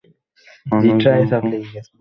আর মির্জা তো মুর্খ, যে বাইরে বসে আছে।